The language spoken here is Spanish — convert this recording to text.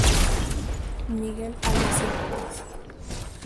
Miguel Alessio Robles.